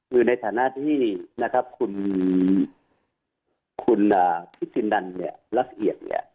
คือในฐานะที่นะครับคุณพิชินดันเนี่ยรักเอียดเนี่ย